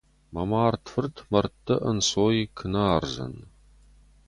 Мӕ мард фырт мӕрдты ӕнцой куы нӕ ардзӕн.